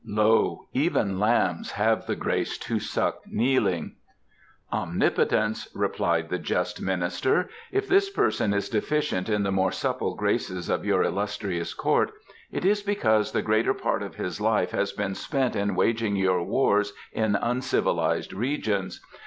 Lo, even lambs have the grace to suck kneeling." "Omnipotence," replied the just minister, "if this person is deficient in the more supple graces of your illustrious Court it is because the greater part of his life has been spent in waging your wars in uncivilized regions.